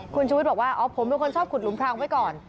คุณชูวิทย์บอกว่าอ๋อผมเป็นคนชอบขุดหลุมพรางไว้ก่อน